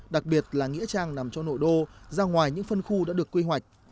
đặc biệt là nghĩa trang nằm trong nội đô ra ngoài những phân khu đã được quy hoạch